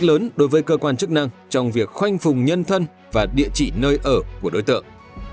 lớn đối với cơ quan chức năng trong việc khoanh phùng nhân thân và địa chỉ nơi ở của đối tượng